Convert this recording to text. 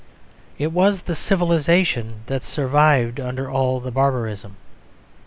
It was the civilisation that survived under all the barbarism.